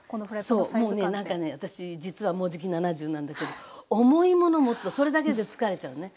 そうもうねなんかね私実はもうじき７０なんだけど重いもの持つとそれだけで疲れちゃうのね。